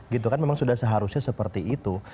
gitu kan memang sudah seharusnya seperti itu